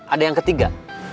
ada yang ketiga